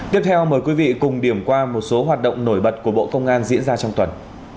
tiếp theo mời quý vị cùng điểm qua một số hoạt động nổi bật của bộ công an diễn ra trong tuần